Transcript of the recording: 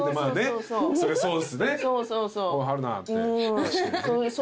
そうそうそう。